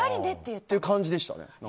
そういう感じでしたね。